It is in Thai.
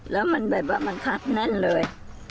แล้วมันแบบว่ามันคัดแน่นเลย